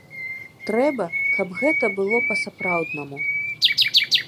Трэба, каб гэта было па-сапраўднаму.